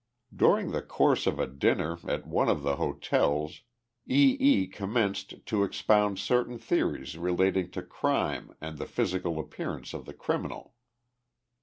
During the course of a dinner at one of the hotels, "E. E." commenced to expound certain theories relating to crime and the physical appearance of the criminal.